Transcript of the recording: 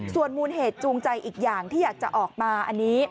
ส่วนมูลเหตุจูงใจอีกอย่างที่อยากจะออกมาอันนี้